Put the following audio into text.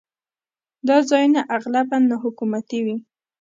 دا ځایونه اغلباً ناحکومتي وي.